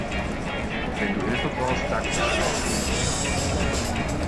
Wenn du Hilfe brauchst, sag Bescheid.